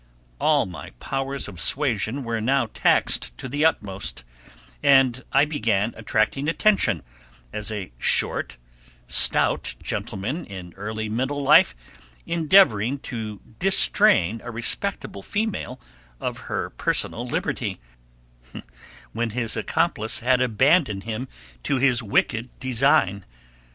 All my powers of suasion were now taxed to the utmost, and I began attracting attention as a short, stout gentleman in early middle life endeavoring to distrain a respectable female of her personal liberty, when his accomplice had abandoned him to his wicked design.